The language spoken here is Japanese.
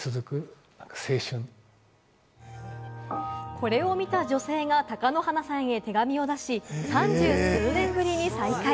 これを見た女性が貴乃花さんへ手紙を出し、三十数年ぶりに再会。